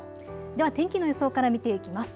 では天気の予想から見ていきます。